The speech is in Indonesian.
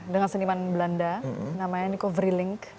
dengan seniman belanda namanya nico friling